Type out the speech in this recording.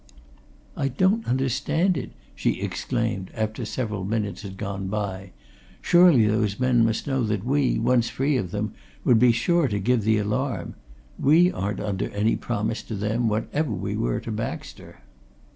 "I don't understand it!" she exclaimed, after several minutes had gone by. "Surely those men must know that we, once free of them, would be sure to give the alarm. We weren't under any promise to them, whatever we were to Baxter."